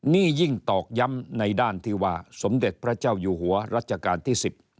นี่ยิ่งตอกย้ำในด้านที่ว่าสมเด็จพระเจ้าอยู่หัวรัชกาลที่๑๐